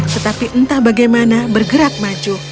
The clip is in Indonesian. tetapi entah bagaimana bergerak maju